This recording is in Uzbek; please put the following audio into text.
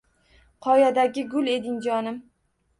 Qoyadagi gul eding, jonim